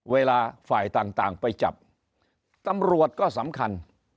เวลาฝ่ายต่างไปจับตำรวจก็สำคัญ